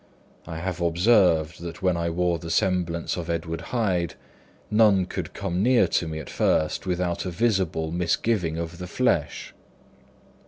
I have observed that when I wore the semblance of Edward Hyde, none could come near to me at first without a visible misgiving of the flesh.